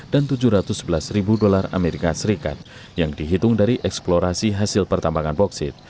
dan rp tujuh ratus sebelas amerika serikat yang dihitung dari eksplorasi hasil pertambangan boksit